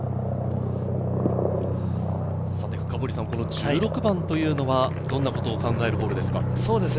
１６番というのはどんなことを考えるホールですか？